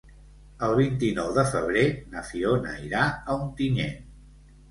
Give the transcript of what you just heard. El vint-i-nou de febrer na Fiona irà a Ontinyent.